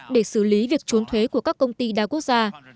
để xử lý việc trốn thuế của các công ty đa quốc gia